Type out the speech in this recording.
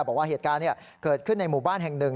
บอกว่าเหตุการณ์เกิดขึ้นในหมู่บ้านแห่งหนึ่ง